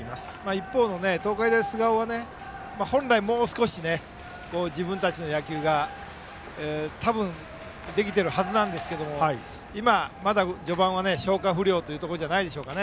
一方の東海大菅生は本来、もう少し自分たちの野球が多分、できているはずですが今、まだ序盤は消化不良というところじゃないでしょうか。